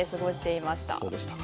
そうでしたか。